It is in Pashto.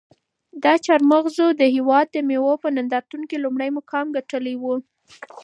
دا چهارمغز د هېواد د مېوو په نندارتون کې لومړی مقام ګټلی و.